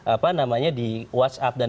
apa namanya di whatsapp dan